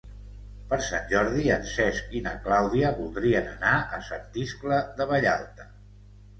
Per Sant Jordi en Cesc i na Clàudia voldrien anar a Sant Iscle de Vallalta.